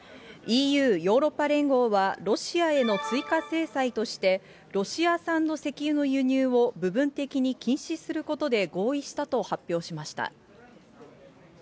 ＥＵ・ヨーロッパ連合は、ロシアへの追加制裁として、ロシア産の石油の輸入を部分的に禁止することで合意したと発表しました。